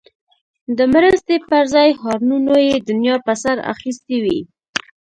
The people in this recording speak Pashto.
د مرستې پر ځای هارنونو یې دنیا په سر اخیستی وي.